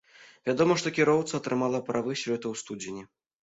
Вядома, што кіроўца атрымала правы сёлета ў студзені.